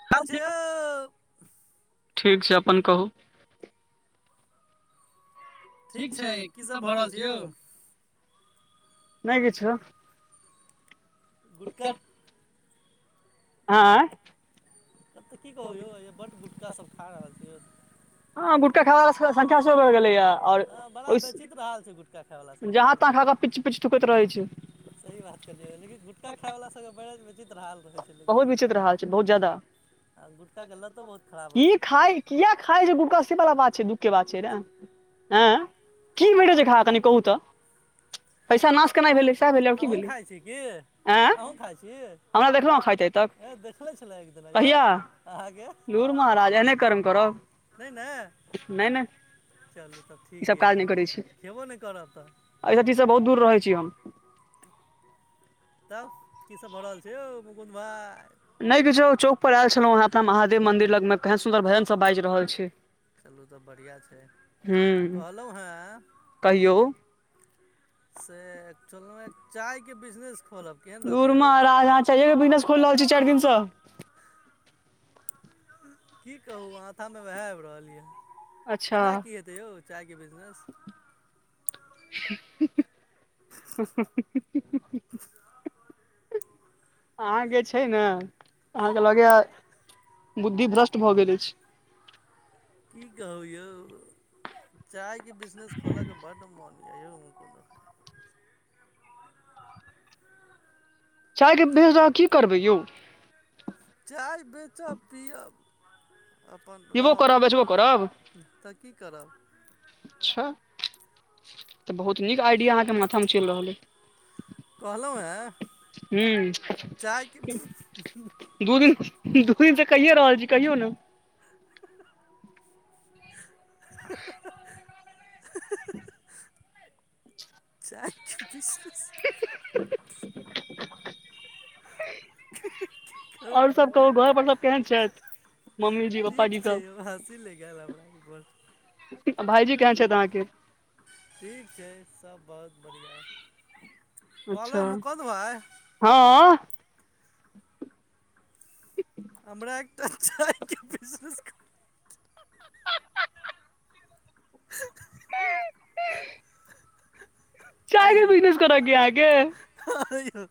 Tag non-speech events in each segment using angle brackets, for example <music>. की हाल छैय यौ। ठीक छैय अपन कहू। ठीक छैय की सब भऽ रहल छैय यौ। नहि किछु। गुटखा आंय। तब तऽ की कहू यौ बड गुटखा सब खा रहल छै यौ। हँ गुटखा खाय बला सब के संख्या सेहो भय गेलै हँ। आओर हँ बड़ा ओ बेचित रहल छै गुटका खायवला सबके जहाँ तहाँ लेकिन खाकऽ पीच-पीच थूकैत रहै छैय। सही बात कहलियै लेकिन गुटका खाय वला सबके बरा बिचित्र हाल। बहुत विचित्र हाल छै बहुत ज्यादा आ गुटकाके लतो बहुत खराब होइ की छैय। खाय किया खाइ छैय गुटखा से बला बात छैय दुःख के बात छैय न। ऍ की भेटै छै खाके से कनी कहू तऽ। पैसा नाश केनाय भेलै सैह भेलै आर की अहूँ भेलै खाइ छी की एँ हमरा देखलौ हें खाइत। आइ तक ह देखने छलौ एकदिना यौ अहाँकै। धूर महाराज एहने कर्म करब। नहि ने। नहि- नहि। चलू तब ठीक ईसभ यऽ काज नहि करै छी खेबो नहि करब तऽ। एहि सब चीजसँ बहुत दूर रहै छी हम। तब कीसभ भऽ रहल छैय यौ मुकुन्द भाइ। नहि किछो चौक पर आयल छलहुँ हेँ अपना महादेव मन्दिर लगमे केहेन सुन्दर भजनसभ बाजि रहल छैय। चलू तऽ बढ़िआँ छैय। कहलहुँ हेँ कहियौ से एक्चुअलमे चायके बिजनेस खोलब। केहन रहतै धुर यौ महराज अहाँ चाइयेके बिजनेस खोइल रहल छी चारि दिनसँ। की कहू माथामे वएह आबि रहल यऽ अच्छा केना की हेतय यौ चायके बिजनेस। ह ह ह ह आहाँ के छैय न आहाँ के लगै या बुद्धि भ्रष्ट भऽ गेल अइछ। की कहु यौ। चायके बिजनेस खोलऽ के बड मन य यौ रूकु न। चाय के बेच के आहाँ की करबै यौ। चाय बेचब पियब। अपन पीबो करब बेचबो करब रहब तऽ की करब। अच्छा। तऽ बहुत नीक आइडिया आहाँके माथामे चैल रहल अय। कहलहुँ हेँ हूँ चायके दू दिन दु दिनसँ कहिये रहल छी कहियौ ने। <inaudible> चायके बिजनेस। <unintelligible> करय और सब पड़तै कहू घर पर सब केहन छैथ। ठीक छै यौ हँसी लेैग गेल हमरा घोर भाईजी केहन छैथ आहाँ के ठीक छै सब बहुत बढ़ियां। कुछो हँ। हमरा एकटा चाय के बिजनेस क <unintelligible> चाय के आइयो बिजनेस करै कऽ या आँहा के आइयो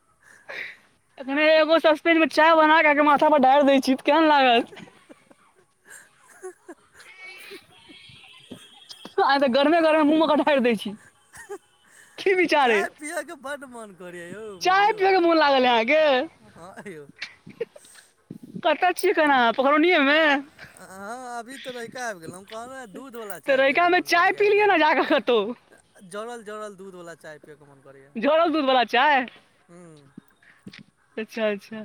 अखने एगो सस्पेन मे चाय बना के आहाँ के माथा पर ढैर देैय छी। केहन लागत ह-ह-ह-ह आय गरमे -गरमे मुँह मे कऽ ढैर दै छी। की विचार अइ चाय पियके बड मोन करै या यौ चाय मुकुल पिये के भाय मोन लागल अय अहाँके हँ यौ। कतऽ छियै अखैन आँहा पखरौनिये मे हँ अभी तऽ भैय। तऽ आयब गेलै कहलौ दूधवला तऽ चाय रैका पियैके मे मौन चाय करैया पी लिअ एकदम। ने जाकऽ कतौ जड़ल -जड़ल दूधवला चाय पियैके मोन करैया झरल दूध वाला चाय हूँ। अच्छा -अच्छा।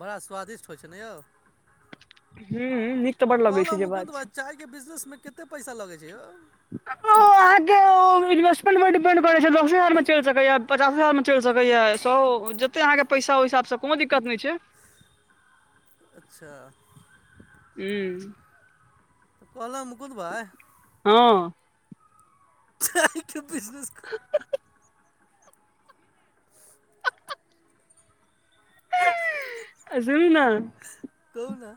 बड़ा स्वादिष्ट होय छै नेै यौ। हूँ नीक तऽ बड़ लगै छै कहलहुँ जे मुकुन्द बात भाय छै। चाय के बिजनेस मे कते पैसा लगै छै यौ। ओ आहाँके ओ इन्वस्टमेट मे डिपेंड करै छै दस हजार मे चैल सकैया पच दस हजार मे चैल सकैया सौ जते आहाँ के पैसा ओय हिसाब सँ कोनो दिक्कत नैय छैय। अच्छा। हूँ। कहलौ मुकुद भाय। हँ। चाय के बिजनेस कर <unintelligible> एैय सुनु नऽ कहु नऽ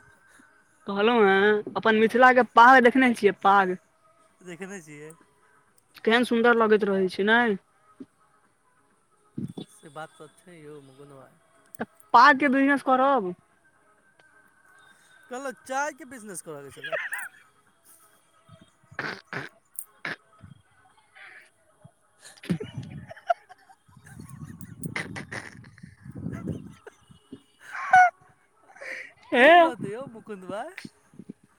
कहलौ हेँ अपन मिथिलाके पाग देखने छियै पाग। देखने छियै। केहेन सुन्दर लगैत रहैय छै नै। से बात त छैेय यौ मुकुंद भाय। पाग के बिजनेस करब। कहलक चाय के बिजनेस करै छेल्ला। <inaudible> <inaudible> केहेन रहतै यौ मुकुंद भाय।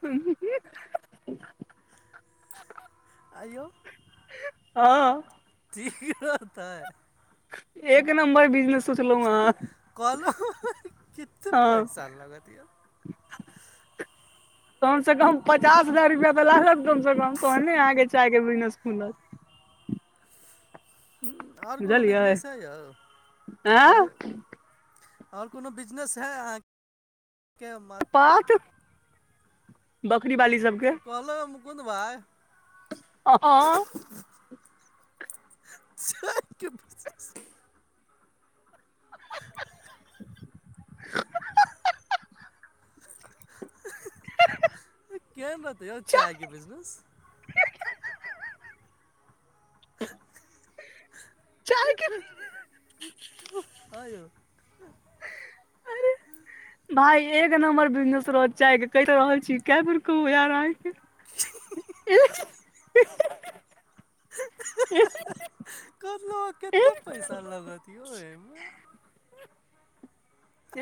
हुं- हुं -हुं आँय यौ। हँ। ठीक रहतै। एक नंबर बिजनेस सोचलौं आहाँ कहलहुँ कतेक हँ। पैसा लागत यौ कम से कम पचास हजार रुपया त लागत कम से कम तहने अहाँ के चाय के बिजनेस खुलत। उं और कुनू बुझलियै बिजनेस हैयौ त आँ कहु। और कुनू बिजनेस है अहाँ के मा आ त बकरी बाली नै कहलौ मुकुन्द भाय ह, हां। चाय के बिजनेस। ह ह ह ह ह ह ह ह हें हें उं केहेन रहतै यौ चायके बिजनेस। चाय के हां यौ। अरे भाय एक नम्बर बिजनेस रहत चाय के, कैह ते रहल छी काए बेर कहु यार अहांके। एथ कहलौ कते पैसा एक लगत यौ एमे।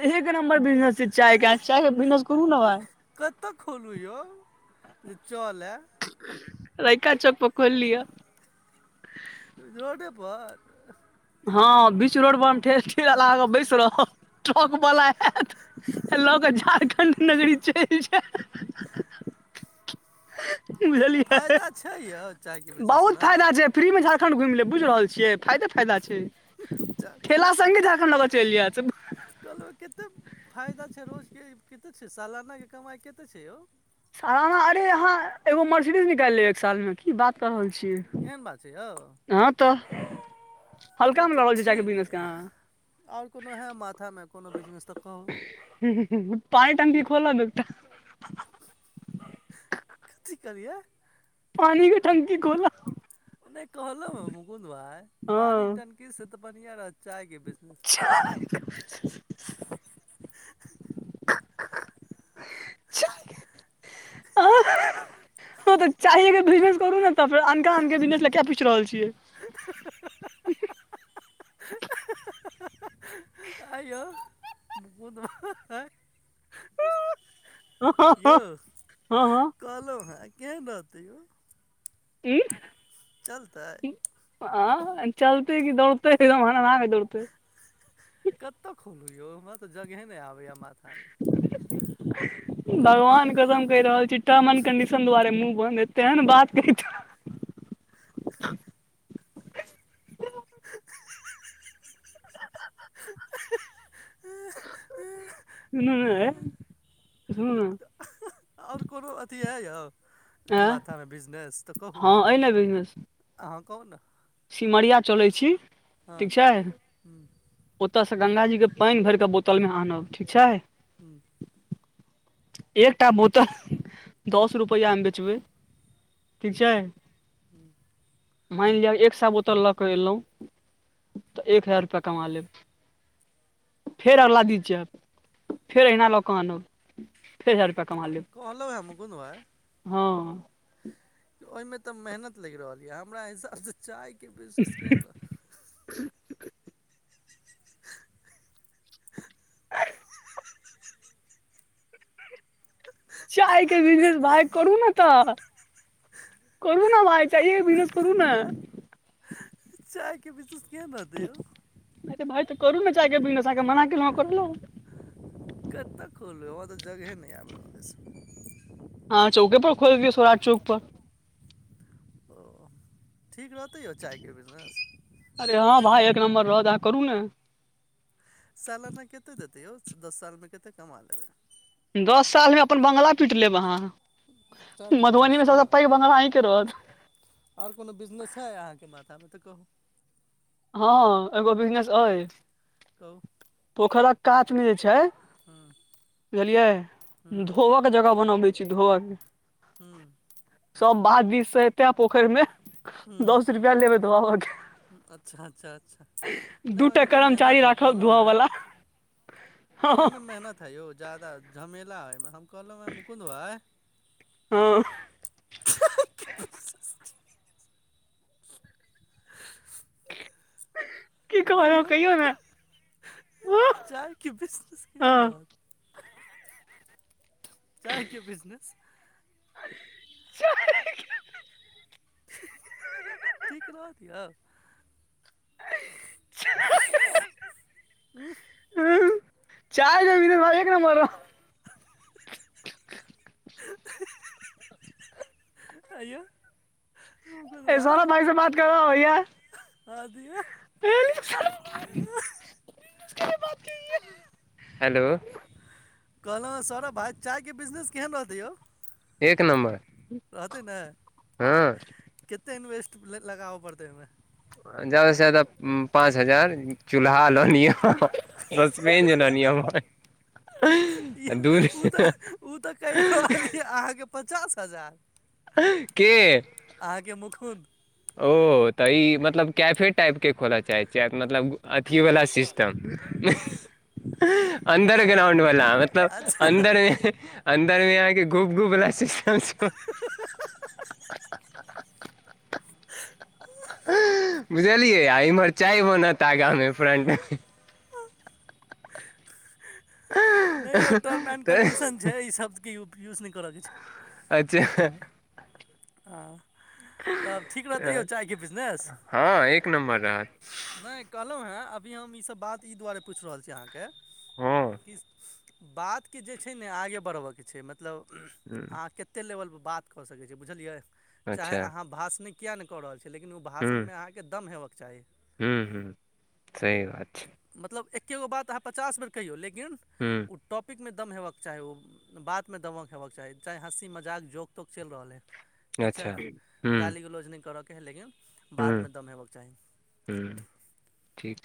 एक नंबर बिजनेस छै चाय के, अहाँ चाय के बिजनेस करू ना भाय। कता खोलु यौ जे चलए। रहिका चौक पर खोएल लिअ। रोडे पर। हां बीच रोड पर हम ठे ठेला लगा के बैस रहब, ट्रक बला आएत ल के झारखण्ड नगरी चैल जाएत। बुझलियै फायदा छै यौ चायके बहुत बिजनेसमे फायदा छै। फ्री में झारखण्ड घुम लेब, बुझ रहल छियै फायदे फायदा छै। ठेला संगे झारखण्ड ल के चैल जाएत। कहलौ केते फायदा छै, रोज के इ कते छै, सालाना के कमाय कते छै यौ। सालाना अरे अहाँ एगो मर्सिडीज निकाल लेब एक सालमे की बात क रहल छियै। एहन बात छै यौ। हँ तऽ हल्का तब मे ते लऽ रहल छियै चाय के ठीक बिजनेस या के अहाँ और कुनू हें माथा मे कोनो बिजनेस त कहु। <inaudible> पानी टंकी खोलब एकटा। की कहलियै। पानि के टंकी खोला नै कहलौ हें मुकुन्द भाय पानी हँ टन की से त बढ़ियाँ रहत चायके बिजनेस। चाय के बिजनेस। चाय के हां त चाइये के बिजनेस करू ना त फेर अनका आनके बिजनेस ले कियाए पुछ रहल छियै। ह हं हं हं आय यौ मुकुंद भाय <unintelligible> यौ हँ कहलौ हें केहेन रहतै यौ। ई चलतै। आं चलतै की दौड़तै एकदम हनहना के दौड़तेै। कतऽ खोलू यौ हमरा तऽ जगहे नहि आबैए माथामे। भगवान कसम कहि रहल छी टर्म एंड कन्डीशन दुवारे मुॅंह बंद ऐ तेहेन बात कहितौं सुनू ने ए सुनू और कोनो अथि अए यौ आँ माथा मे बिजनेस तऽ कहू। हँ अइ ने बिजनेस अहां कहु ने। सिमरिया चलै छी, हँ ठीक छै। ह्म ओतय सँ गङ्गाजीके पानि भरि कऽ बोतलमे आनब, ठीक छै। हुं। एकटा बोतल दस रुपैआ मे बेचबै, ठीक छै। हुं। मानि लिअ एक सौ सौ बोतल लऽ के एलहु तऽ एक हजार रुपैया कमा लेब। फेर अगला दिन जायब फेर अहिना लऽ कऽ आनब फेर हजार रुपैया कमा लेब, कहलहुँ हम मुकुन्द भाय हँ। ओहिमे तऽ मेहनत लागि रहल अछि, हमरा हिसाब सँ चायके बिजनेस केहन रहतै। <unintelligible> चाय के बिजनेस भाय करू ने ते, करू ने भाय। चाइयेए के बिजनेस करू ने। चाय के बिजनेस केहेन रहतै यौ। अरे भाय ते करू ने चाय के बिजनेस, अहांके मना केलहुं, करू ने। कतऽ खोलबै हमरा तऽ जगहे नहि आबि रहल ऐछ। हँ चौके पर खोल दियौ, सौराठ चौक पर। ओ, ठीक रहतै यौ चायके बिजनेस अरे हँं भाइ एक नम्बर रहत, अहाँ करू ने। सालाना कतेक देतै यौ दस सालमे कतेक कमा लेबै? दस साल मे अपन बंगला पीट लेब अहाँ, चायके मधुबनी मे सभसँ पैघ बंगला अहींके रहत। और कोनो बिजनेस है अहाँके माथा मे तऽ कहू। हँ एगो बिजनेस अइ। कहु। पोखरिक कात मे जे छै ह्म बुझलियै ह्म धो जगह बनाबै छी धोआ के हुं। सब बाध दीस से एते पोखरि मे दस रुपआ लेबै तऽ धोआबऽ के अच्छा अच्छा अच्छा। नहि दूटा ओहिमे तऽ कर्मचारी मेहनत हैत राखब कहलहु धोआ वला हें हँ ओहिमे मेहनत यौ जादा झमेला अइ हम कहलहुॅं हे मुकुंद भाय हँ। की कहलौं कहियौ, ने चायके बिजनेस केहन हँ रहत? चाय के बिजनेस? चाय के बिजनेस। ठीक रहत यौ। <inaudible> ह चायके एक नम्बर रह <unintelligible> <inaudible> अइयौ <inaudible> कलब ए सौरभ भाई से बात करबाओ भैया आ द <unintelligible> <unintelligible> हेलो! कहलहुँँ सौरभ भााय, चायके बिजनेस केहन रहतै यौ? एक नम्बर हँ। कते इन्वेस्ट लगाबऽ पड़तेै ओहिमे? ज्यादा से ज्यादा पाँच हजार, चूल्हा ललिय। ससपेन लअ लिय। ओ तऽ ओ तऽ कहि रहलिय अहाँके पचास हजार। के? अहाके मुखुन्द। ओ तऽ ई मतलब कैफे टाइप के खोलऽ चाहैत छिय, मतलब अथीवला सिस अन्दर ग्राउंड वालला मतलब अच्छा अन्दर मे अन्दरमे आहाँके गूप गूप ल <unintelligible> बुझलियै इम्हर चाहय बनत आगा मे फ्रंट मे। नहि यौ टर्म एंड तऽ कन्डीशन छै ई शब्दके यूज नहि करयके छै <unintelligible> अच्छा! आ। तब ठीक रहते यौ तऽ चाय के बिज़नेस। हँ एक नम्बर रहत कहलहुँ हँ, अभी हम ई सब बात ई दुआरे पुछि रहल छी अहाँके, हँ कि बातके जे छै ने आगे बढ़बऽके छै, मतलब हूँ, अहाँ कते लेवलपर बात कऽ सकै छी। बुझलियै, चाहे अच्छा अहाँ भाषण किएक नहि कऽ रहल छियै, लेकिन ओ हूँ भाषणमे अहाँके दम हेबाक चाही। हूँ, हू, सही बात छै। मतलब एक्के गो बात अहाँ पचास बेर कहियौ, लेकिन हू। ओ टॉपिकमे दम हेबाके चाही, ओ बातमे दमक हेबाके चाही, चाहे हँसी- मजाक जोक -तोक चलि रहल हइ। ठीक छै, अच्छा हूँ गाली -गुलोज नहि करऽके हइ लेकिन। बात मे हूँ दम हेबऽके चाही, हूँ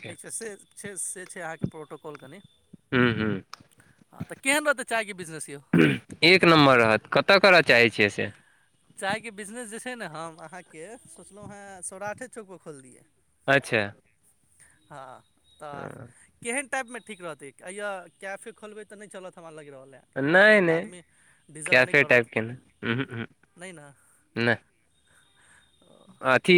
ठीक छै से छै से छै अहाँके प्रोटोकॉल कनि। हूँ हूँ हाँ, त केहन रहते चाय के बिज़नेश यौ। एक नम्बर रहत, कतय करय चाहैत छियै से? चायके बिजनेस जे छै ने हम अहाँकेँ सोचलहुँ हेँ, सौराठे चौकपर खोलि दियै। अच्छा! हँ, तऽ केहन टाइपमे ठीक रहतै, इया कैफे खोलबै तऽ नहि चलत हमरा लागि रहलएइ। नहि एतऽके नहि आदमी डिजर्व नहि करत। उहू, उहूँ। नहि ने। नैह। अथी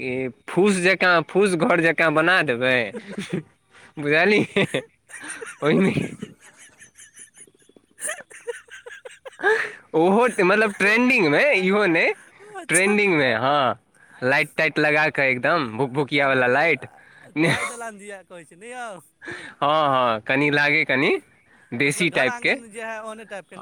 ई फूस जेकाँ, फूस घर जेकाँ बना देबै। बुझइलै, ओहि मे ओहो मतलब ट्रेंडिंगमे इहो नै अच्छा ट्रेंडिंगमे हँ लाइट, ताइट लगा- एकदम भुक, भुकिया, अच्छा वालला मतलब लाइट चाय दलान दिया कहै छै नहि यौ हँ -हँ कनि लागे कनि मतलब देशी घर टाइपके आंगन जे है ओहने टाइप के ने